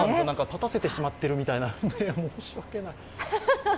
立たせてしまっているみたいな、申し訳ない。